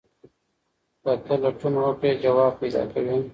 که ته لټون وکړې ځواب پیدا کوې.